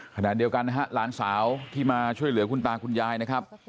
ขณะเดียวกันนะฮะหลานสาวที่มาช่วยเหลือคุณตาคุณยายนะครับ